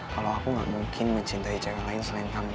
kalo aku gak mungkin mencintai cewek lain selain kamu